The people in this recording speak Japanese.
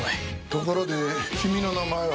ところで君の名前は？